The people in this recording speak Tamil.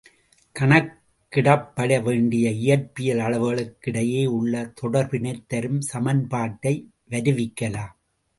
கணக்கிடப்பட வேண்டிய இயற்பியல் அளவுகளுக் கிடையே உள்ள தொடர்பினைத் தரும் சமன்பாட்டை வருவிக்கலாம்.